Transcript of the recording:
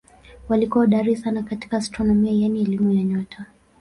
Walikuwa hodari sana katika astronomia yaani elimu ya nyota.